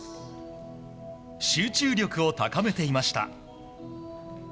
集中力を高めていました。